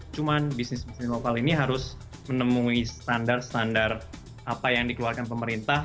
cuman bisnis bisnis lokal ini harus menemui standar standar apa yang dikeluarkan pemerintah